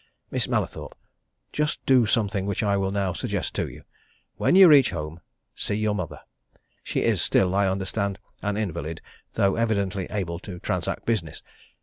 Miss Mallathorpe! just do something which I will now suggest to you. When you reach home, see your mother she is still, I understand, an invalid, though evidently able to transact business.